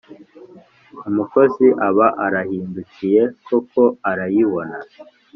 umukozi aba arahindukiye koko arayibona,